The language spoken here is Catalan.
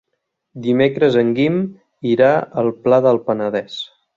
Dimecres en Guim irà al Pla del Penedès.